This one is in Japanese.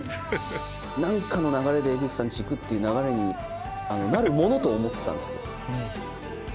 何かの流れで江口さん家行くっていう流れになるものと思ってたんです。